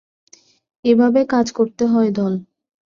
এভাবেই কাজ করতে হয়, দল।